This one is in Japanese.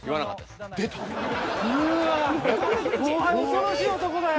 恐ろしい男だよ。